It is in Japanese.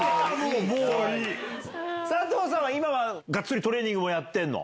佐藤さんは、今は、がっつりトレーニングをやってるの？